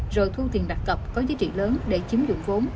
rồi thu tiền đặt cọc có giá trị lớn để chiếm dụng vốn